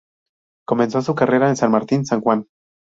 Comenzó su carrera en San Martín San Juan.